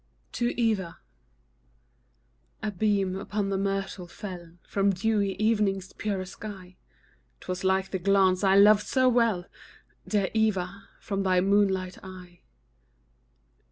TO EVA. A beam upon the myrtle fell From dewy evening's purest sky, 'Twas like the glance I love so well, Dear Eva, from thy moonlight eye.